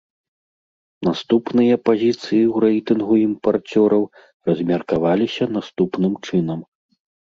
Наступныя пазіцыі ў рэйтынгу імпарцёраў размеркаваліся наступным чынам.